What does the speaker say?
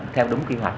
theo đúng quy hoạch